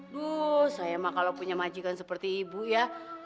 duh saya mah kalau punya majikan seperti ibu ya